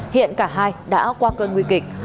hiện cả hai đã qua cơn nguy kịch